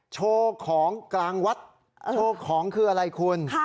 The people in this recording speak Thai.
โชว์ของกลางวัดโชว์ของคืออะไรคุณ